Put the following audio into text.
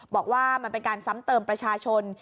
บอกว่ามันเป็นการซ้ำเติมประชาชน